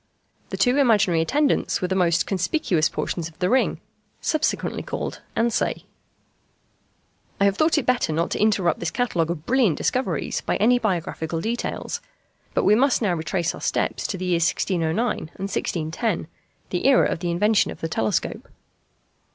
The two imaginary attendants were the most conspicuous portions of the ring, subsequently called ansæ. I have thought it better not to interrupt this catalogue of brilliant discoveries by any biographical details; but we must now retrace our steps to the years 1609 and 1610, the era of the invention of the telescope.